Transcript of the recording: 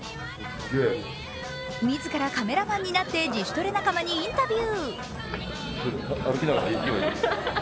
自らカメラマンになって自主トレ仲間にインタビュー。